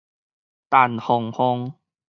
陳凰鳳